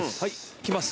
行きます。